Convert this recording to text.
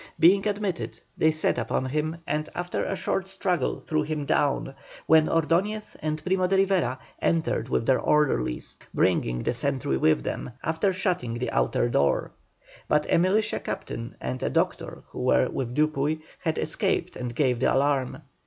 Being admitted, they set upon him, and after a short struggle threw him down, when Ordoñez and Primo de Rivera entered with their orderlies, bringing the sentry with them, after shutting the outer door. But a militia captain and a doctor who were with Dupuy, had escaped and gave the alarm.